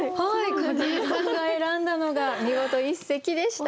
景井さんが選んだのが見事一席でした。